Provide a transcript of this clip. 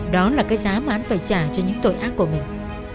đó là cái giá mà án phải trả cho những tội ác của mình